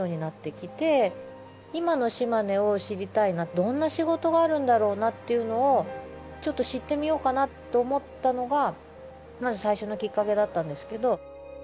今の島根を知りたいなどんな仕事があるんだろうなっていうのをちょっと知ってみようかなと思ったのがまず最初のきっかけだったんですけど。